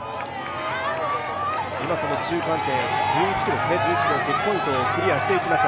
今、その中間点の１１ｋｍチェックポイントをクリアしていきました。